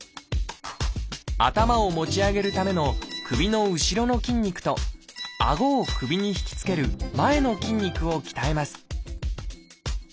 頭を持ち上げるための首の後ろの筋肉とあごを首にひきつける前の筋肉を鍛えます